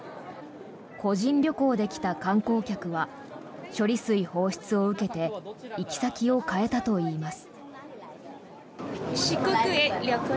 個人旅行で来た観光客は処理水放出を受けて行き先を変えたといいます。